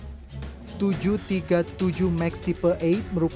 tujuh ratus tiga puluh tujuh max type delapan merupakan jenis pesawat boeing tersebut